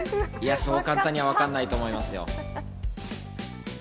そう簡単にはわからないと思いますよ。